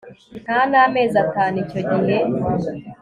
nta n'amezi atanu icyo gihe